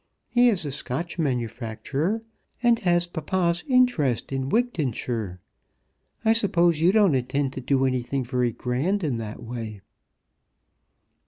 He is a Scotch manufacturer, and has papa's interest in Wigtonshire. I suppose you don't intend to do anything very grand in that way."